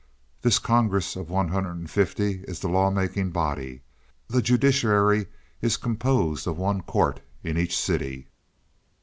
"This congress of one hundred and fifty is the law making body. The judiciary is composed of one court in each city.